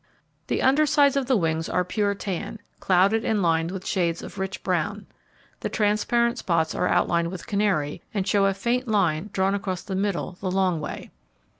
The under sides of the wings are pure tan, clouded and lined with shades of rich brown. The transparent spots are outlined with canary, and show a faint line drawn across the middle the long way.